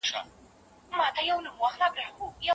په معاملاتو کي اخلاق مراعات کړئ.